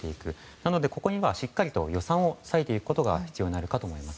なので、ここにはしっかりと予算を割くことが必要になるかと思います。